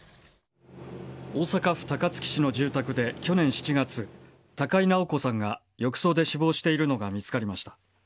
大阪府高槻市の住宅で去年７月高井直子さんが浴槽で死亡しているのが見つかりました。